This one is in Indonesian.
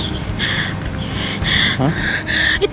itu dia orangnya pak